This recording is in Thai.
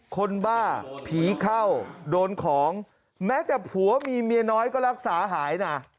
บ้าผีเข้าโดนของแม้แต่ผัวมีเมียน้อยก็รักษาหายนะ